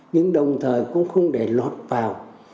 nhưng đồng thời cũng không để lọt vào